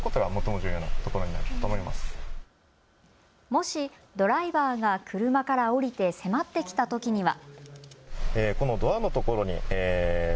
もしドライバーが車から降りて迫ってきたときには。